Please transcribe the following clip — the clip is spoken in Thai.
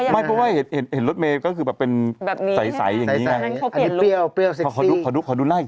เขาอยากเปลี่ยนรู้